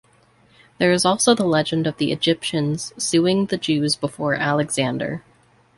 There is also the legend of the Egyptians suing the Jews before Alexander.